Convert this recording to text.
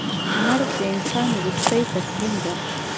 مرګ د انسان وروستۍ تسلیم ده.